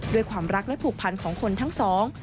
ด้วยความรักและผูกพันของคนทั้งสอง